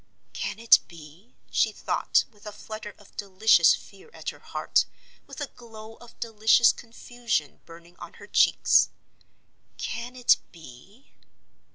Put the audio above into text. "Can it be?" she thought, with a flutter of delicious fear at her heart, with a glow of delicious confusion burning on her cheeks. "Can it be?"